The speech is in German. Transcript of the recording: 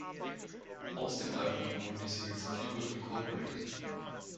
Aus dem Album wurden die Singles "Feel Good Inc.